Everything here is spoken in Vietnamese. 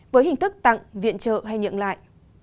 với hình thức tặng viện trợ hay nhận lại